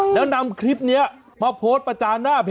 แล้วนำคลิปนี้มาโพสต์ประจานหน้าเพจ